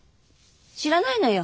知らないのよ。